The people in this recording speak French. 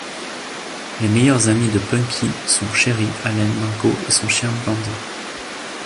Les meilleurs amis de Punky sont Cherie, Allen, Margaux et son chien Bandit.